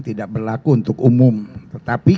tidak berlaku untuk umum tetapi